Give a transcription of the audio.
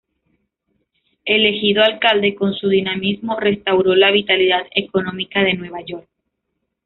Elegido alcalde, con su dinamismo restauró la vitalidad económica de Nueva York.